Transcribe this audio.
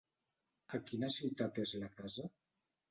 A quina ciutat és la casa?